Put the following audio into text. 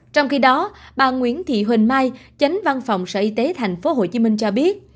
trong khi đó bà nguyễn thị huỳnh mai chánh văn phòng sở y tế tp hcm cho biết